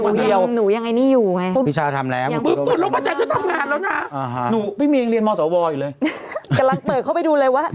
คุณเมทำอย่างเดียวพี่ชาทำแล้วมือปืนโรคพระจันทร์เราทำงานแล้วนะเมคุณเมทำอย่างเดียวหนูอย่างไอ้นี่อยู่ไง